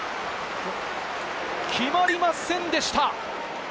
決まりませんでした。